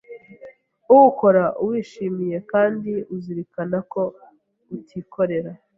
uwukora uwishimiye kandi uzirikana ko utikorera